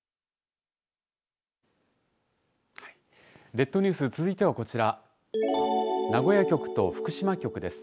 列島ニュース続いてはこちら名古屋局と福島局です。